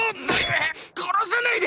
殺さないで！！